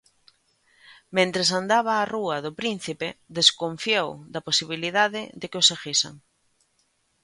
Mentres andaba a rúa do Príncipe, desconfiou da posibilidade de que o seguisen.